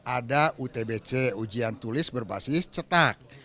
ada utbc ujian tulis berbasis cetak